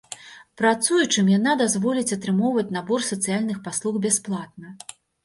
Працуючым яна дазволіць атрымоўваць набор сацыяльных паслуг бясплатна.